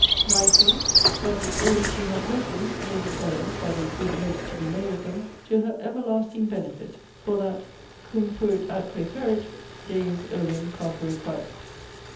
NINTHLY, That the 'ills she hath met with' may be turned (by the 'good use' to be made of them) to her 'everlasting benefit'; for that, 'Cum furit atque ferit, Deus olim parcere quærit.'